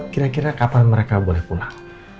kira kira kapan mereka boleh pulang